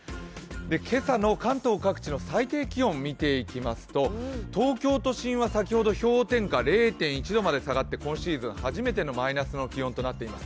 今朝の関東各地の最低気温、見ていきますと東京都心は先ほど氷点下０．１度まで下がって今シーズン初めてのマイナスの気温となっています。